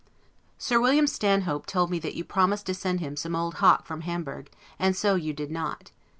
Sir William Stanhope told me that you promised to send him some Old Hock from Hamburg, and so you did not.